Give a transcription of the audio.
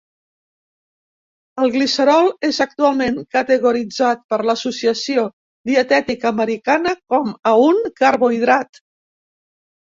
El glicerol és actualment categoritzat per l'Associació Dietètica Americana com a un carbohidrat.